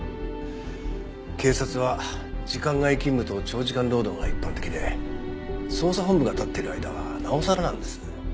警察は時間外勤務と長時間労働が一般的で捜査本部が立ってる間はなおさらなんです。